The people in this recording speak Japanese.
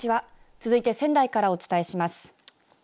続いて仙台からお伝えします。